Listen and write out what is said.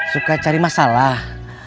suka cari masalah